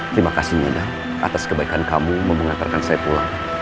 terima kasih nida atas kebaikan kamu mengantarkan saya pulang